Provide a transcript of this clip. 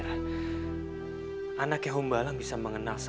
saya harus mencari petunjuk itu